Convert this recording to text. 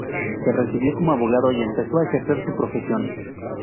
Se recibió como abogado y empezó a ejercer su profesión.